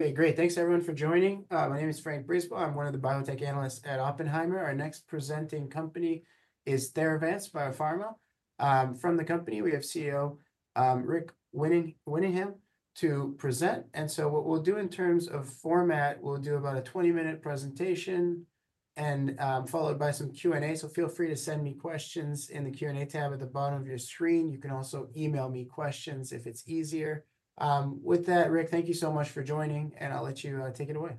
Okay, great. Thanks, everyone, for joining. My name is Frank Brisebois. I'm one of the biotech analysts at Oppenheimer. Our next presenting company is Theravance Biopharma. From the company, we have CEO Rick Winningham to present. And so what we'll do in terms of format, we'll do about a 20-minute presentation followed by some Q&A. So feel free to send me questions in the Q&A tab at the bottom of your screen. You can also email me questions if it's easier. With that, Rick, thank you so much for joining, and I'll let you take it away.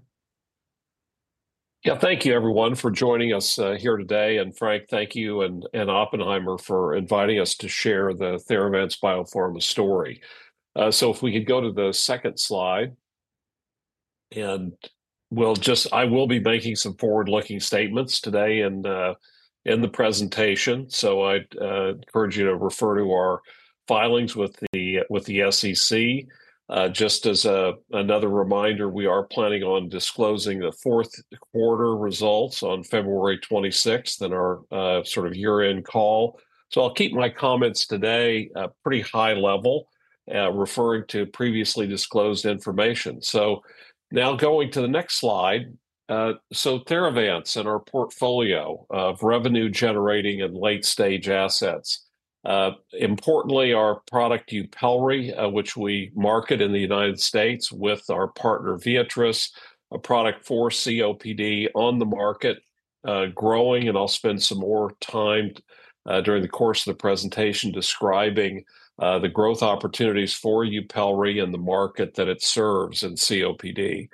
Yeah, thank you, everyone, for joining us here today, and Frank, thank you, and Oppenheimer for inviting us to share the Theravance Biopharma story, so if we could go to the second slide, and I will be making some forward-looking statements today in the presentation, so I encourage you to refer to our filings with the SEC. Just as another reminder, we are planning on disclosing the fourth quarter results on February 26th in our sort of year-end call, so I'll keep my comments today pretty high level, referring to previously disclosed information, so now going to the next slide. Theravance and our portfolio of revenue-generating and late-stage assets. Importantly, our product YUPELRI, which we market in the United States with our partner Viatris, a product for COPD on the market, growing. And I'll spend some more time during the course of the presentation describing the growth opportunities for YUPELRI and the market that it serves in COPD.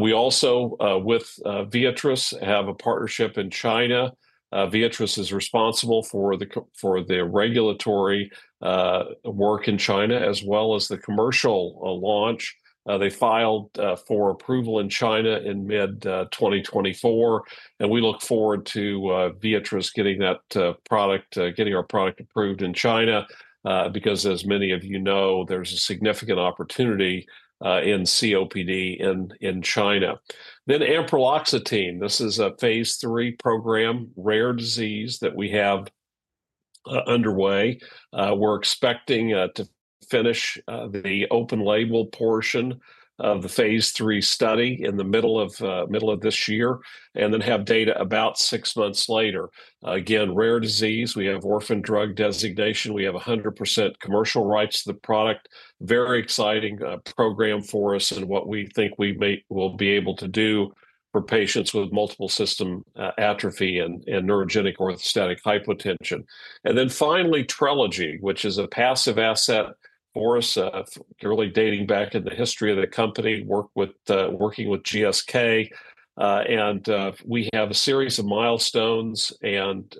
We also, with Viatris, have a partnership in China. Viatris is responsible for the regulatory work in China, as well as the commercial launch. They filed for approval in China in mid-2024. And we look forward to Viatris getting that product, getting our product approved in China, because, as many of you know, there's a significant opportunity in COPD in China. Then ampreloxetine. This is a phase III program, rare disease that we have underway. We're expecting to finish the open-label portion of the phase III study in the middle of this year and then have data about six months later. Again, rare disease. We have orphan drug designation. We have 100% commercial rights to the product. Very exciting program for us and what we think we will be able to do for patients with multiple system atrophy and neurogenic orthostatic hypotension. And then finally, Trelegy, which is a passive asset for us, really dating back in the history of the company, working with GSK. And we have a series of milestones and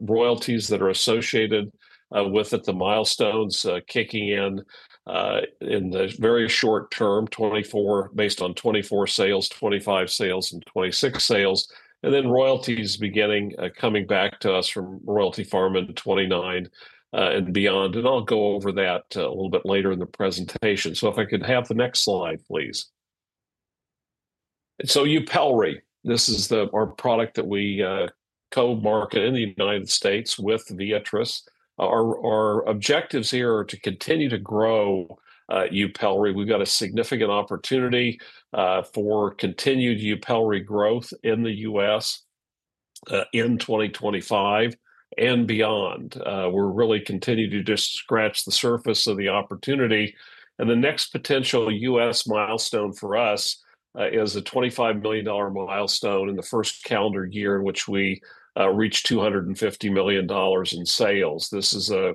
royalties that are associated with the milestones kicking in in the very short term, based on 24 sales, 25 sales, and 26 sales. And then royalties beginning coming back to us from Royalty Pharma in 2029 and beyond. And I'll go over that a little bit later in the presentation. So if I could have the next slide, please. So, YUPELRI. This is our product that we co-market in the United States with Viatris. Our objectives here are to continue to grow YUPELRI. We've got a significant opportunity for continued YUPELRI growth in the U.S. in 2025 and beyond. We're really continuing to just scratch the surface of the opportunity. The next potential U.S. milestone for us is a $25 million milestone in the first calendar year in which we reach $250 million in sales. This is a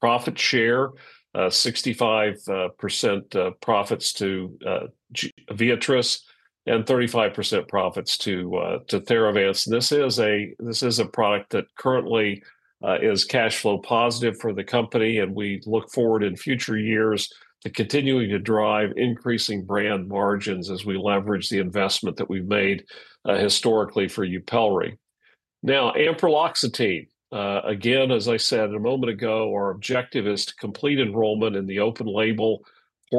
profit share, 65% profits to Viatris and 35% profits to Theravance. This is a product that currently is cash flow positive for the company. We look forward in future years to continuing to drive increasing brand margins as we leverage the investment that we've made historically for YUPELRI. Now, ampreloxetine. Again, as I said a moment ago, our objective is to complete enrollment in the open-label portion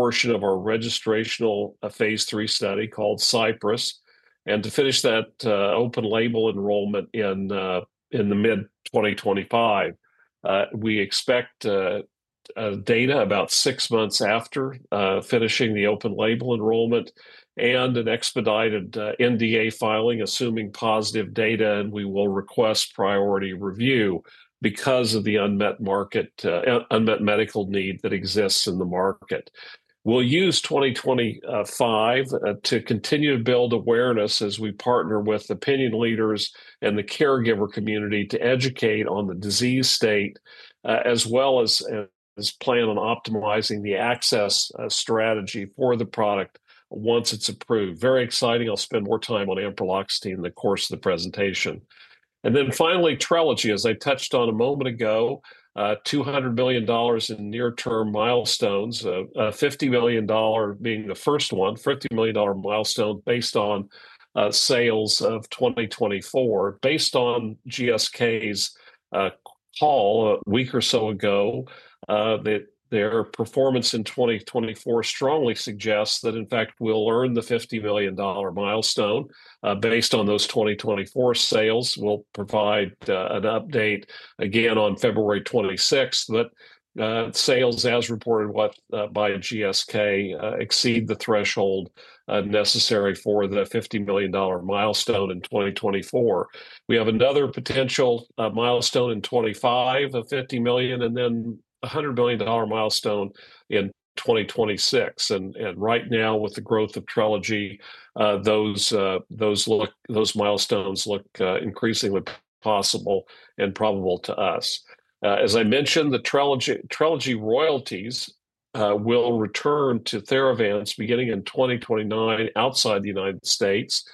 of our registrational phase III study called Cypress. To finish that open-label enrollment in the mid-2025. We expect data about six months after finishing the open-label enrollment and an expedited NDA filing, assuming positive data. We will request priority review because of the unmet medical need that exists in the market. We'll use 2025 to continue to build awareness as we partner with opinion leaders and the caregiver community to educate on the disease state, as well as plan on optimizing the access strategy for the product once it's approved. Very exciting. I'll spend more time on ampreloxetine in the course of the presentation. Then finally, Trelegy, as I touched on a moment ago, $200 million in near-term milestones, $50 million being the first one, $50 million milestone based on sales of 2024. Based on GSK's call a week or so ago, their performance in 2024 strongly suggests that, in fact, we'll earn the $50 million milestone based on those 2024 sales. We'll provide an update again on February 26th that sales, as reported by GSK, exceed the threshold necessary for the $50 million milestone in 2024. We have another potential milestone in 2025 of $50 million and then a $100 million milestone in 2026. Right now, with the growth of Trelegy, those milestones look increasingly possible and probable to us. As I mentioned, the Trelegy royalties will return to Theravance beginning in 2029 outside the United States,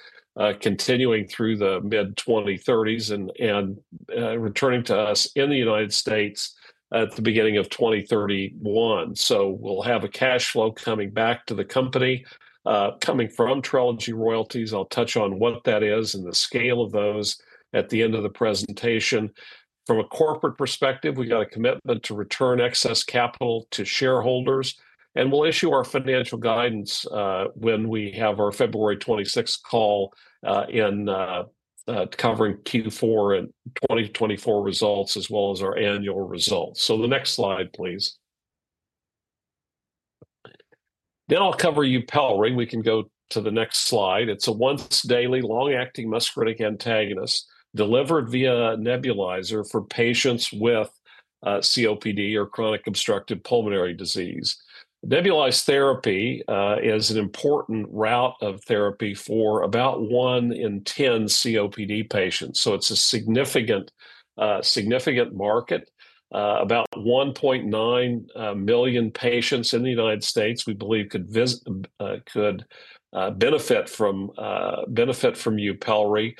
continuing through the mid-2030s and returning to us in the United States at the beginning of 2031. We'll have a cash flow coming back to the company coming from Trelegy royalties. I'll touch on what that is and the scale of those at the end of the presentation. From a corporate perspective, we've got a commitment to return excess capital to shareholders. We'll issue our financial guidance when we have our February 26th call covering Q4 and 2024 results, as well as our annual results. The next slide, please. I'll cover YUPELRI. We can go to the next slide. It's a once-daily long-acting muscarinic antagonist delivered via nebulizer for patients with COPD or chronic obstructive pulmonary disease. Nebulized therapy is an important route of therapy for about one in 10 COPD patients. It's a significant market. About 1.9 million patients in the United States, we believe, could benefit from YUPELRI.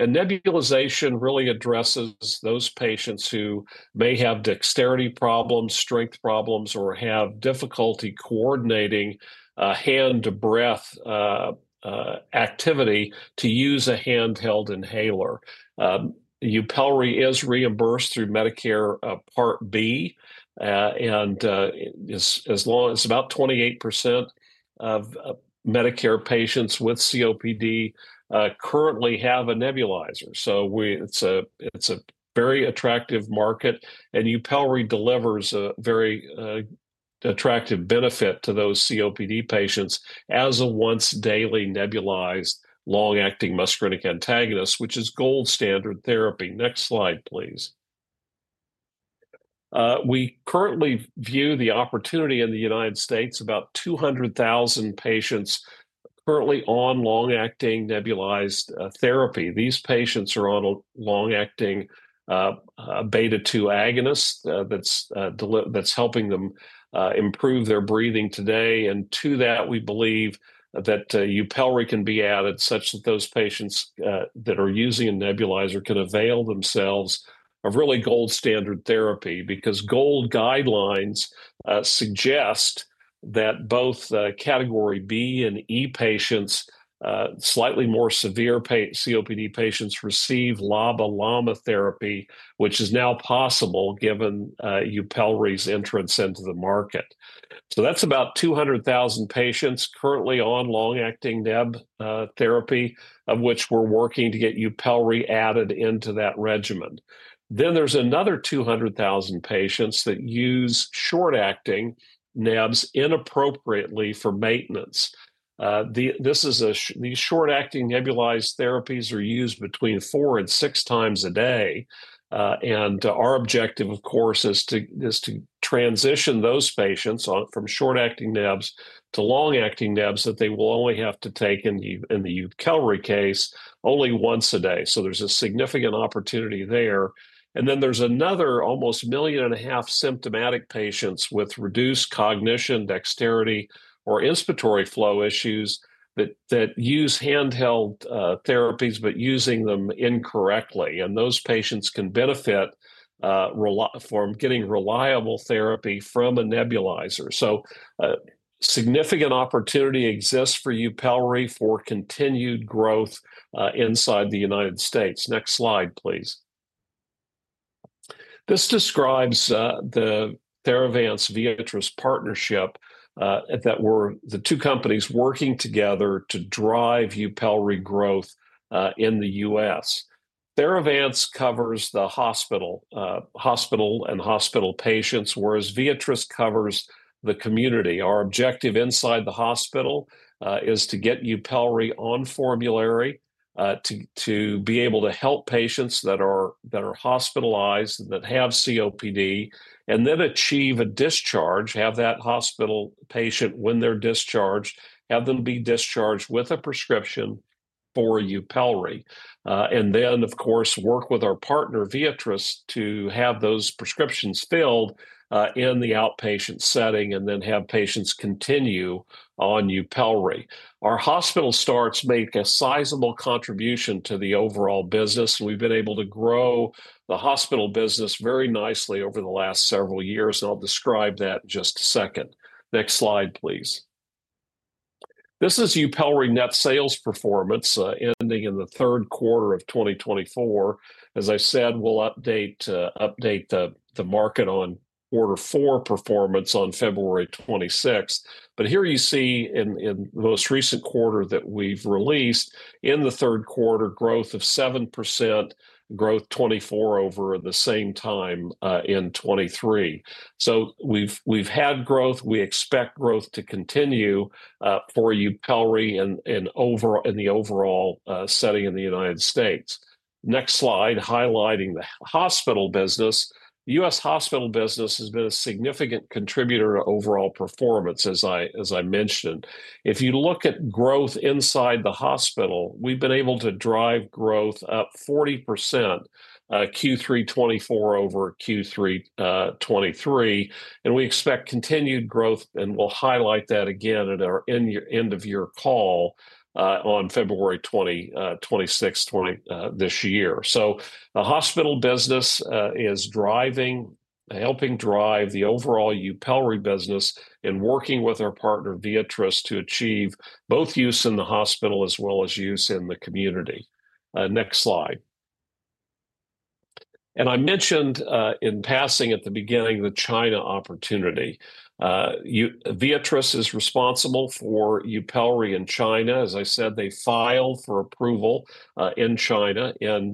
Nebulization really addresses those patients who may have dexterity problems, strength problems, or have difficulty coordinating hand-to-breath activity to use a handheld inhaler. YUPELRI is reimbursed through Medicare Part B, and it's about 28% of Medicare patients with COPD currently have a nebulizer. It's a very attractive market. YUPELRI delivers a very attractive benefit to those COPD patients as a once-daily nebulized long-acting muscarinic antagonist, which is GOLD standard therapy. Next slide, please. We currently view the opportunity in the United States, about 200,000 patients currently on long-acting nebulized therapy. These patients are on a long-acting beta-2 agonist that's helping them improve their breathing today. To that, we believe that YUPELRI can be added such that those patients that are using a nebulizer can avail themselves of really GOLD standard therapy because GOLD guidelines suggest that both category B and E patients, slightly more severe COPD patients, receive LABA/LAMA therapy, which is now possible given YUPELRI's entrance into the market. That's about 200,000 patients currently on long-acting neb therapy, of which we're working to get YUPELRI added into that regimen. There's another 200,000 patients that use short-acting nebs inappropriately for maintenance. These short-acting nebulized therapies are used between four and six times a day. And our objective, of course, is to transition those patients from short-acting nebs to long-acting nebs that they will only have to take in the YUPELRI case only once a day. So there's a significant opportunity there. And then there's another almost million and a half symptomatic patients with reduced cognition, dexterity, or inspiratory flow issues that use handheld therapies, but using them incorrectly. And those patients can benefit from getting reliable therapy from a nebulizer. So significant opportunity exists for YUPELRI for continued growth inside the United States. Next slide, please. This describes the Theravance Viatris partnership that we're the two companies working together to drive YUPELRI growth in the US. Theravance covers the hospital and hospital patients, whereas Viatris covers the community. Our objective inside the hospital is to get YUPELRI on formulary to be able to help patients that are hospitalized, that have COPD, and then achieve a discharge, have that hospital patient when they're discharged, have them be discharged with a prescription for YUPELRI, and then, of course, work with our partner Viatris to have those prescriptions filled in the outpatient setting and then have patients continue on YUPELRI. Our hospital starts make a sizable contribution to the overall business, and we've been able to grow the hospital business very nicely over the last several years, and I'll describe that in just a second. Next slide, please. This is YUPELRI net sales performance ending in the third quarter of 2024. As I said, we'll update the market on quarter four performance on February 26th. But here you see in the most recent quarter that we've released, in the third quarter, growth of 7%, growth 24% over the same time in 2023. So we've had growth. We expect growth to continue for YUPELRI in the overall setting in the United States. Next slide, highlighting the hospital business. The U.S. hospital business has been a significant contributor to overall performance, as I mentioned. If you look at growth inside the hospital, we've been able to drive growth up 40% Q3 2024 over Q3 2023. And we expect continued growth, and we'll highlight that again at our end of year call on February 26th, 2024, this year. So the hospital business is driving, helping drive the overall YUPELRI business and working with our partner Viatris to achieve both use in the hospital as well as use in the community. Next slide. And I mentioned in passing at the beginning the China opportunity. Viatris is responsible for YUPELRI in China. As I said, they filed for approval in China in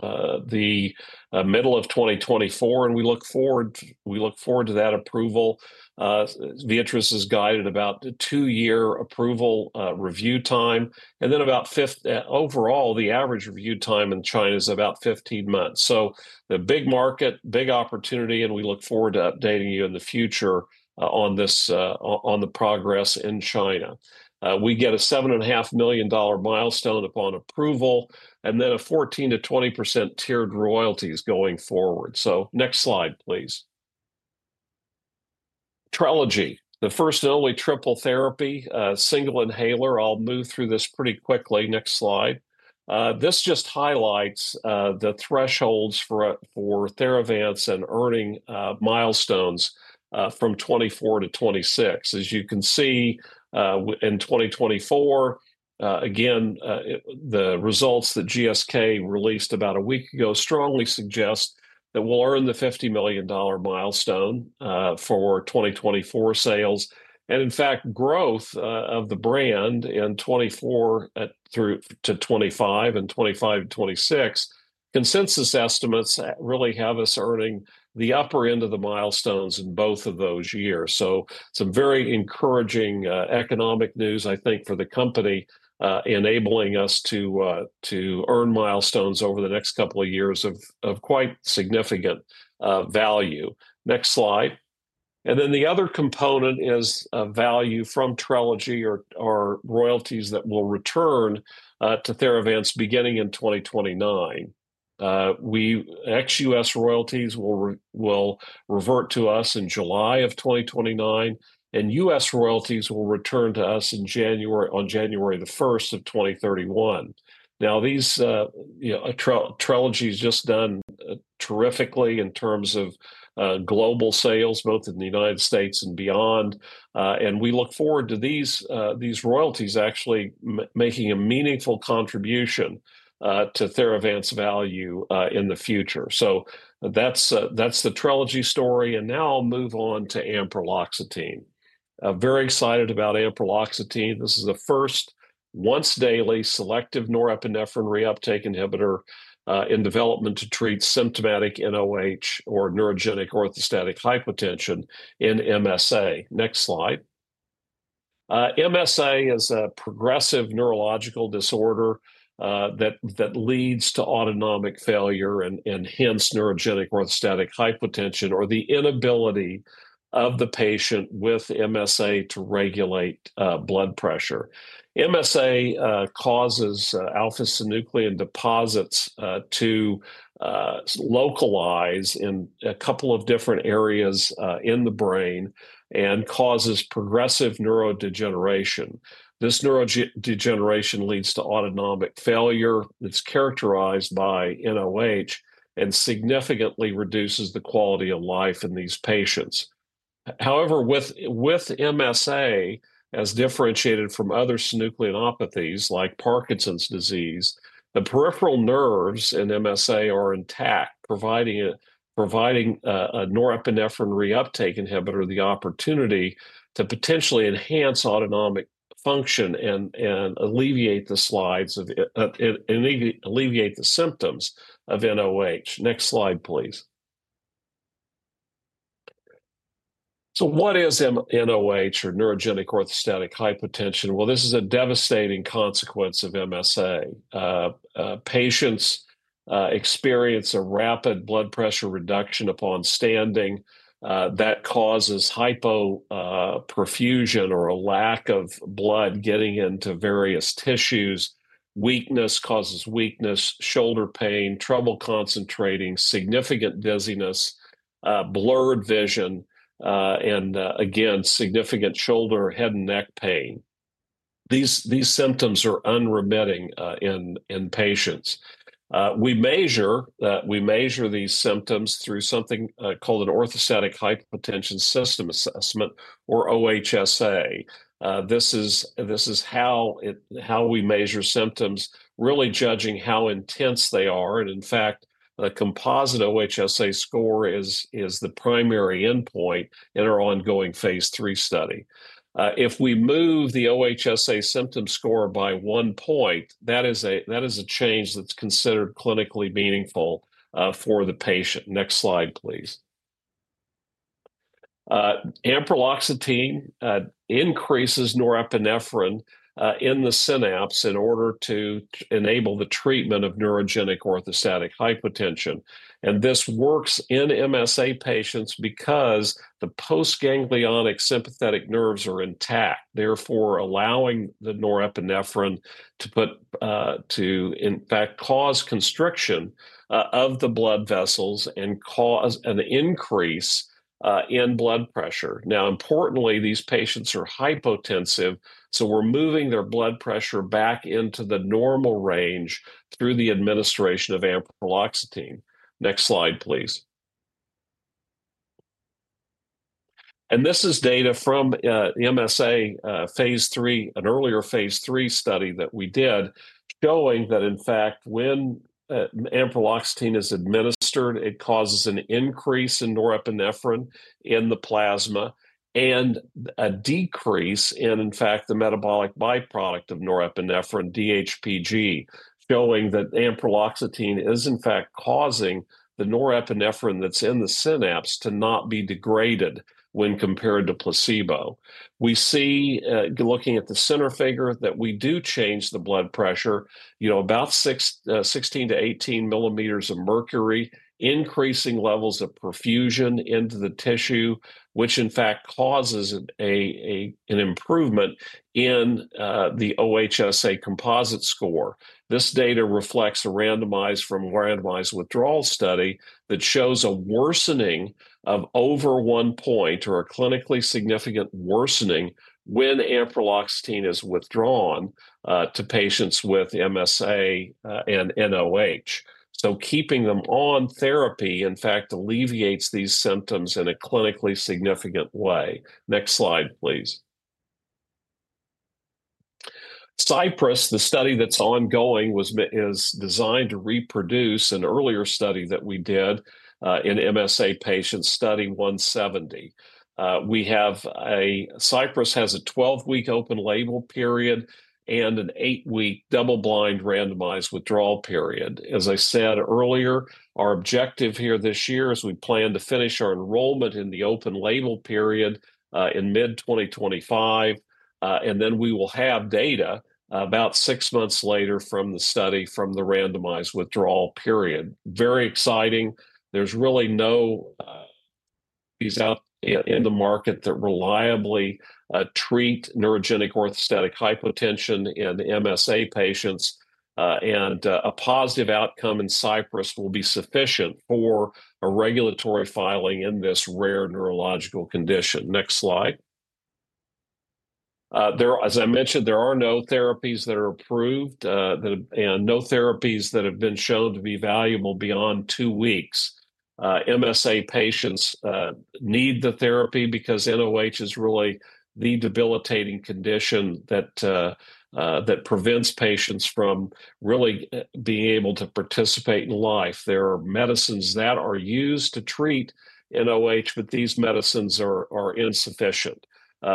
the middle of 2024. And we look forward to that approval. Viatris is guided about a two-year approval review time. And then about fifth overall, the average review time in China is about 15 months. So the big market, big opportunity, and we look forward to updating you in the future on the progress in China. We get a $7.5 million milestone upon approval, and then a 14%-20% tiered royalties going forward. So next slide, please. Trelegy, the first and only triple therapy, single inhaler. I'll move through this pretty quickly. Next slide. This just highlights the thresholds for Theravance and earning milestones from 2024-2026. As you can see, in 2024, again, the results that GSK released about a week ago strongly suggest that we'll earn the $50 million milestone for 2024 sales, and in fact, growth of the brand in 2024 through to 2025 and 2025-2026, consensus estimates really have us earning the upper end of the milestones in both of those years, so some very encouraging economic news, I think, for the company, enabling us to earn milestones over the next couple of years of quite significant value. Next slide, and then the other component is value from Trelegy or royalties that will return to Theravance beginning in 2029. ex-US royalties will revert to us in July of 2029, and US royalties will return to us on January the 1st of 2031. Now, Trelegy has just done terrifically in terms of global sales, both in the United States and beyond. And we look forward to these royalties actually making a meaningful contribution to Theravance value in the future. So that's the Trelegy story. And now I'll move on to ampreloxetine. Very excited about Ampreloxetine. This is the first once-daily selective norepinephrine reuptake inhibitor in development to treat symptomatic NOH or neurogenic orthostatic hypotension in MSA. Next slide. MSA is a progressive neurological disorder that leads to autonomic failure and hence neurogenic orthostatic hypotension or the inability of the patient with MSA to regulate blood pressure. MSA causes alpha-synuclein deposits to localize in a couple of different areas in the brain and causes progressive neurodegeneration. This neurodegeneration leads to autonomic failure that's characterized by NOH and significantly reduces the quality of life in these patients. However, with MSA, as differentiated from other synucleinopathies like Parkinson's disease, the peripheral nerves in MSA are intact, providing a norepinephrine reuptake inhibitor the opportunity to potentially enhance autonomic function and alleviate the symptoms of NOH. Next slide, please. What is NOH or neurogenic orthostatic hypotension? This is a devastating consequence of MSA. Patients experience a rapid blood pressure reduction upon standing that causes hypoperfusion or a lack of blood getting into various tissues. Weakness causes weakness, shoulder pain, trouble concentrating, significant dizziness, blurred vision, and again, significant shoulder, head, and neck pain. These symptoms are unremitting in patients. We measure these symptoms through something called an Orthostatic Hypotension Symptom Assessment or OHSA. This is how we measure symptoms, really judging how intense they are. In fact, a composite OHSA score is the primary endpoint in our ongoing phase III study. If we move the OHSA symptom score by one point, that is a change that's considered clinically meaningful for the patient. Next slide, please. Ampreloxetine increases norepinephrine in the synapse in order to enable the treatment of neurogenic orthostatic hypotension. And this works in MSA patients because the postganglionic sympathetic nerves are intact, therefore allowing the norepinephrine to, in fact, cause constriction of the blood vessels and cause an increase in blood pressure. Now, importantly, these patients are hypotensive, so we're moving their blood pressure back into the normal range through the administration of Ampreloxetine. Next slide, please. This is data from MSA phase III, an earlier phase III study that we did showing that, in fact, when Ampreloxetine is administered, it causes an increase in norepinephrine in the plasma and a decrease in, in fact, the metabolic byproduct of norepinephrine, DHPG, showing that Ampreloxetine is, in fact, causing the norepinephrine that's in the synapse to not be degraded when compared to placebo. We see, looking at the center figure, that we do change the blood pressure, about 16-18 millimeters of mercury, increasing levels of perfusion into the tissue, which, in fact, causes an improvement in the OHSA composite score. This data reflects a randomized withdrawal study that shows a worsening of over one point or a clinically significant worsening when Ampreloxetine is withdrawn to patients with MSA and NOH. So keeping them on therapy, in fact, alleviates these symptoms in a clinically significant way. Next slide, please. Cypress, the study that's ongoing, is designed to reproduce an earlier study that we did in MSA patients, Study 170. Cypress has a 12-week open label period and an 8-week double-blind randomized withdrawal period. As I said earlier, our objective here this year is we plan to finish our enrollment in the open label period in mid-2025, and then we will have data about six months later from the study from the randomized withdrawal period. Very exciting. There's really no treatments in the market that reliably treat neurogenic orthostatic hypotension in MSA patients, and a positive outcome in Cypress will be sufficient for a regulatory filing in this rare neurological condition. Next slide. As I mentioned, there are no therapies that are approved and no therapies that have been shown to be valuable beyond two weeks. MSA patients need the therapy because NOH is really the debilitating condition that prevents patients from really being able to participate in life. There are medicines that are used to treat NOH, but these medicines are insufficient.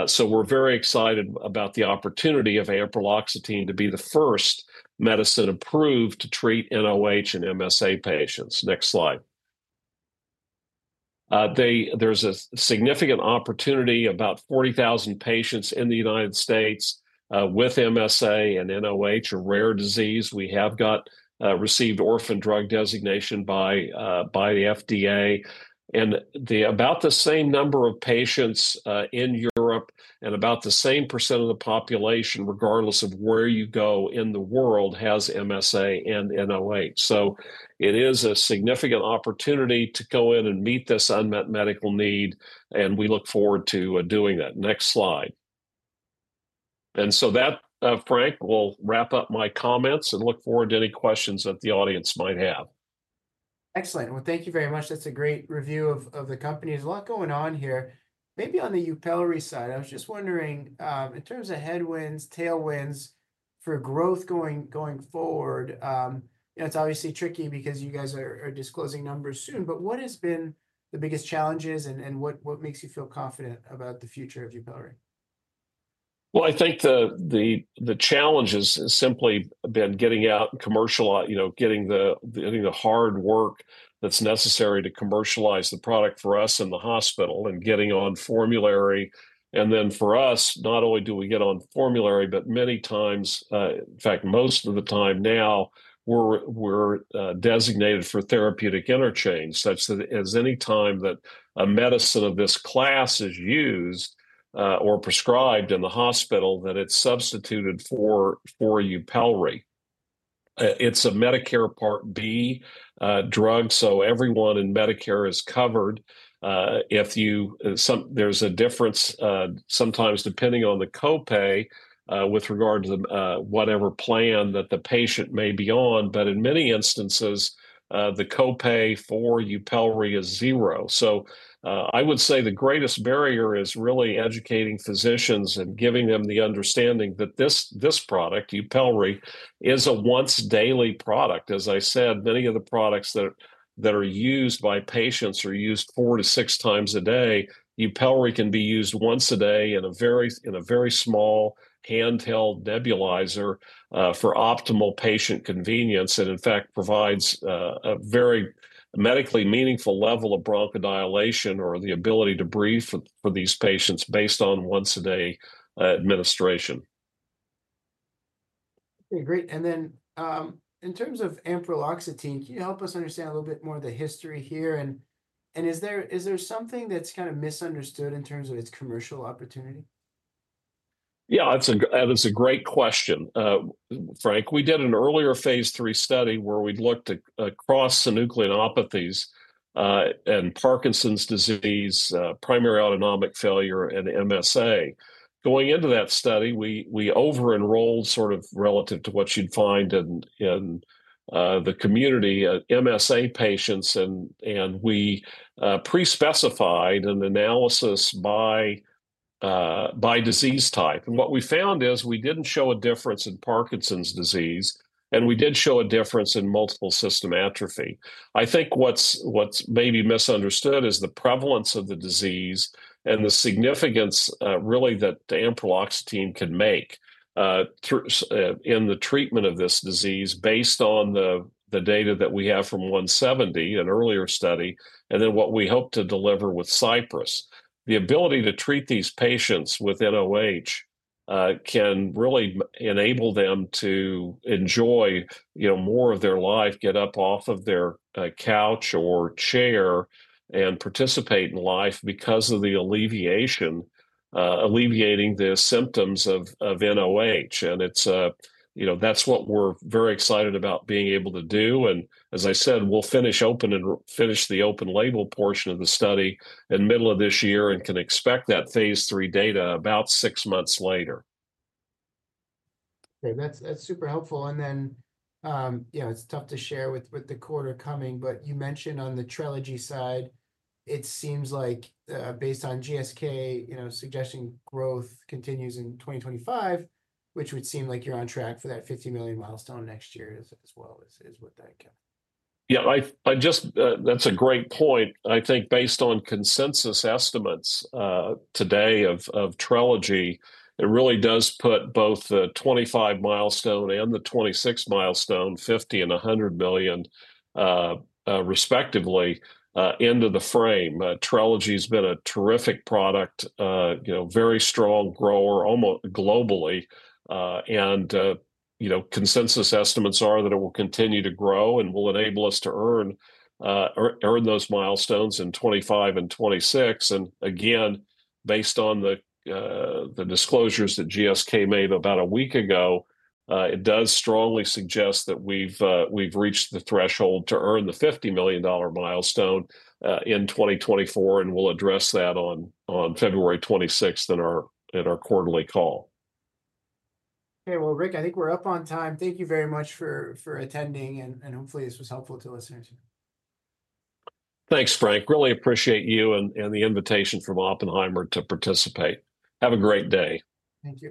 So we're very excited about the opportunity of Ampreloxetine to be the first medicine approved to treat NOH and MSA patients. Next slide. There's a significant opportunity. About 40,000 patients in the United States with MSA and NOH are rare disease. We have received orphan drug designation by the FDA, and about the same number of patients in Europe and about the same percentage of the population, regardless of where you go in the world, has MSA and NOH. So it is a significant opportunity to go in and meet this unmet medical need, and we look forward to doing that. Next slide, and so that, Frank, will wrap up my comments and look forward to any questions that the audience might have. Excellent, well, thank you very much. That's a great review of the company. There's a lot going on here. Maybe on the YUPELRI side, I was just wondering, in terms of headwinds, tailwinds for growth going forward. It's obviously tricky because you guys are disclosing numbers soon. But what has been the biggest challenges and what makes you feel confident about the future of YUPELRI? Well, I think the challenge has simply been getting out and commercializing, getting the hard work that's necessary to commercialize the product for us in the hospital and getting on formulary. And then for us, not only do we get on formulary, but many times, in fact, most of the time now, we're designated for therapeutic interchange such that any time that a medicine of this class is used or prescribed in the hospital, that it's substituted for YUPELRI. It's a Medicare Part B drug, so everyone in Medicare is covered. There's a difference sometimes depending on the copay with regard to whatever plan that the patient may be on. But in many instances, the copay for YUPELRI is zero. So I would say the greatest barrier is really educating physicians and giving them the understanding that this product, YUPELRI, is a once-daily product. As I said, many of the products that are used by patients are used four to six times a day. YUPELRI can be used once a day in a very small handheld nebulizer for optimal patient convenience and, in fact, provides a very medically meaningful level of bronchodilation or the ability to breathe for these patients based on once-a-day administration. Okay, great. And then in terms of ampreloxetine, can you help us understand a little bit more of the history here? And is there something that's kind of misunderstood in terms of its commercial opportunity? Yeah, that's a great question, Frank. We did an earlier phase III study where we looked across synucleinopathies and Parkinson's disease, primary autonomic failure, and MSA. Going into that study, we over-enrolled sort of relative to what you'd find in the community MSA patients, and we pre-specified an analysis by disease type. And what we found is we didn't show a difference in Parkinson's disease, and we did show a difference in multiple system atrophy. I think what's maybe misunderstood is the prevalence of the disease and the significance really that ampreloxetine can make in the treatment of this disease based on the data that we have from 170, an earlier study, and then what we hope to deliver with Cypress. The ability to treat these patients with NOH can really enable them to enjoy more of their life, get up off of their couch or chair, and participate in life because of the alleviating the symptoms of NOH. That's what we're very excited about being able to do. As I said, we'll finish the open label portion of the study in the middle of this year and can expect that phase III data about six months later. Okay, that's super helpful. Then it's tough to share with the quarter coming, but you mentioned on the Trelegy side, it seems like based on GSK suggesting growth continues in 2025, which would seem like you're on track for that $50 million milestone next year as well, is what that amounts to. Yeah, that's a great point. I think based on consensus estimates today of Trelegy, it really does put both the 2025 milestone and the 2026 milestone, $50 million and $100 million respectively, into the frame. Trelegy has been a terrific product, very strong grower globally. Consensus estimates are that it will continue to grow and will enable us to earn those milestones in 2025 and 2026. And again, based on the disclosures that GSK made about a week ago, it does strongly suggest that we've reached the threshold to earn the $50 million milestone in 2024, and we'll address that on February 26th in our quarterly call. Okay, well, Rick, I think we're up on time. Thank you very much for attending, and hopefully this was helpful to listeners. Thanks, Frank. Really appreciate you and the invitation from Oppenheimer to participate. Have a great day. Thank you.